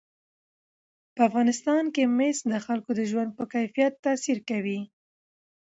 په افغانستان کې مس د خلکو د ژوند په کیفیت تاثیر کوي.